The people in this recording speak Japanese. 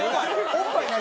おっぱい何？